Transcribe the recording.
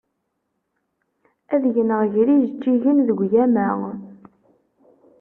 Ad gneɣ gar yijeǧǧigen deg ugama.